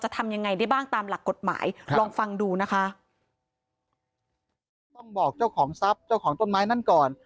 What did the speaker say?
ต้องบอกเจ้าของทรัพย์เจ้าของต้นไม้นั่นก่อน